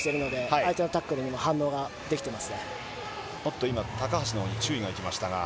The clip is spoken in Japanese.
相手のタックルにも反応ができています。